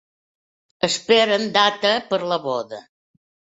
Esperen data per a la boda.